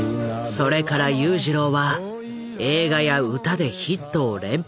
それから裕次郎は映画や歌でヒットを連発。